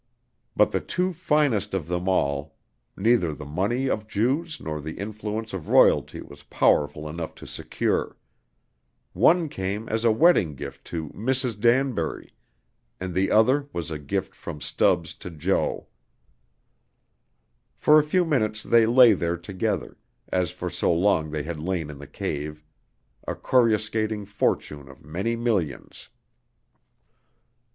But the two finest of them all, neither the money of Jews nor the influence of royalty was powerful enough to secure; one came as a wedding gift to Mrs. Danbury, and the other was a gift from Stubbs to Jo. For a few minutes they lay there together, as for so long they had lain in the cave a coruscating fortune of many millions.